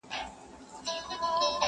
کله کله به خبر دومره اوږده سوه؛